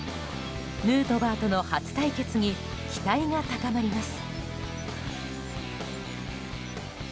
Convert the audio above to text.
ヌートバーとの初対決に期待が高まります。